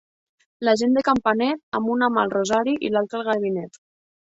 La gent de Campanet, amb una mà el rosari i amb l'altra el ganivet.